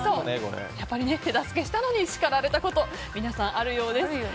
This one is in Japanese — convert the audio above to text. やっぱり手助けしたのに叱られたこと皆さん、あるようです。